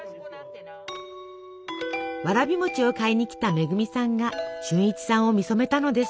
わらび餅を買いにきた恵さんが俊一さんを見初めたのです。